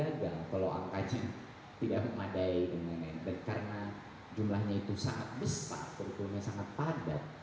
harga kalau angkanya tidak memadai dengan karena jumlahnya itu sangat besar kurikulumnya sangat padat